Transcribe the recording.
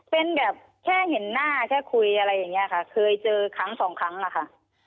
เป็นแบบแค่เห็นหน้าแค่คุยอะไรอย่างนี้ค่ะเคยเจอครั้งสองครั้งอะค่ะ